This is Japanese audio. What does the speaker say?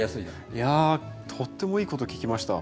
いやとってもいいこと聞きました。